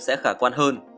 sẽ khả quan hơn